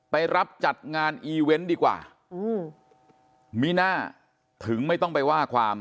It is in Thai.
ไปรับจัดงานอีเวนต์ดีกว่าอืมมิน่าถึงไม่ต้องไปว่าความ